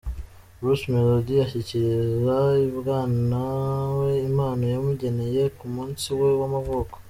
Bruce Melody ashyikiriza umwana we impano yamugeneye ku munsi we w'amavuko.